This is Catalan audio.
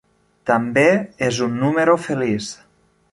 També és un número feliç.